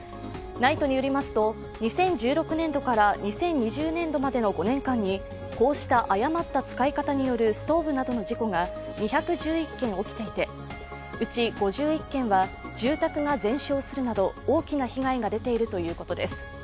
ＮＩＴＥによりますと２０１６年度から２０２０年度までの５年間にこうした誤った使い方によるストーブなどの事故が２１１件起きていて、うち５１件は住宅が全焼するなど大きな被害が出ているということです。